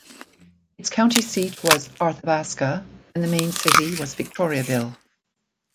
Its county seat was Arthabaska and the main city was Victoriaville.